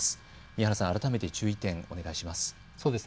宮原さん、改めて注意点、お願いします。